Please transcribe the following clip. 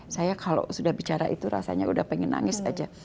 saya kalau sudah bicara itu rasanya sudah pengen nangis saja